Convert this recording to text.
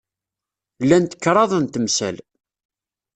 Llant kraḍ n temsal.